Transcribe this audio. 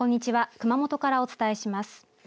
熊本からお伝えします。